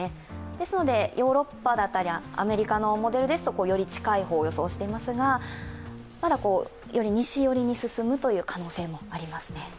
ですので、ヨーロッパだったり、アメリカのモデルですと、より近い方を予想していますが、まだ、より西寄りに進むという可能性もありますね。